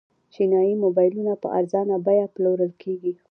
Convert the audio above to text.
چینايي موبایلونه په ارزانه بیه پلورل کیږي.